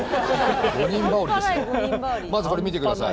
まずこれ見て下さい。